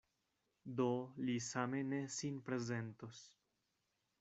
Do li same ne sin prezentos.